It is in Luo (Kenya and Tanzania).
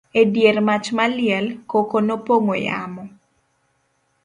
e dier mach maliel, koko nopong'o yamo